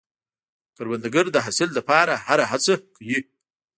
کروندګر د حاصل لپاره هره هڅه کوي